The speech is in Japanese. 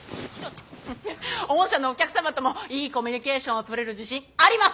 御社のお客様ともいいコミュニケーションをとれる自信あります！